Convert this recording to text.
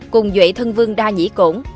cùng dụy thân vương đa nhĩ cổn